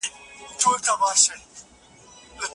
ډیپلوماټیک استازي باید د هېواد رښتیني سفیران وي.